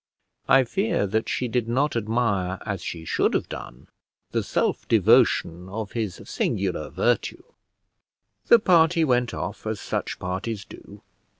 I fear that she did not admire as she should have done the self devotion of his singular virtue. The party went off as such parties do.